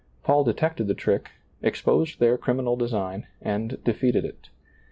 Paul detected the trick, exposed their criminal design, and de feated it.